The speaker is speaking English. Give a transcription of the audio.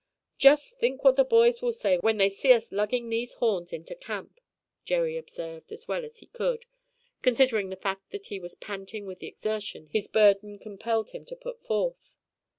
"Just think what the boys will say when they see us lugging these horns into camp!" Jerry observed, as well as he could, considering the fact that he was panting with the exertion his burden compelled him to put forth.